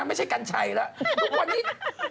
ไม่ใช่กังชัยทุกวันนี้